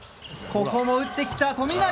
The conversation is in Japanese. ここも打ってきた富永。